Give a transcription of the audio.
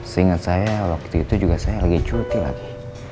seingat saya waktu itu juga saya lagi cuti lagi